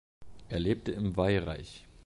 Er lebte im Wei-Reich.